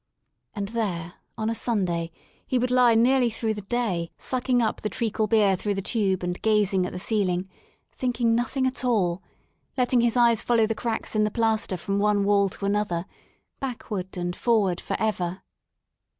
And there on a Sunday he would lie nearly through the day sucking up the treacle beer through the tube and gazing at the ceiling, thinking nothing at all, let ting his eyes follow the cracks in the plaster from one wall to another, backward and forward for ever.